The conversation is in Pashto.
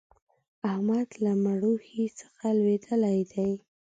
احمد له مړوښې څخه لوېدلی دی.